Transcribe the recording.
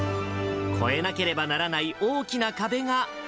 超えなければならない大きな壁が。